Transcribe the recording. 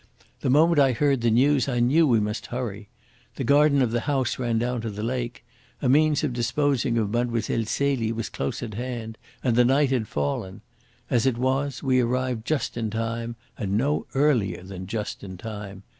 The moment I heard the news I knew we must hurry. The garden of the house ran down to the lake. A means of disposing of Mlle. Celie was close at hand. And the night had fallen. As it was, we arrived just in time, and no earlier than just in time.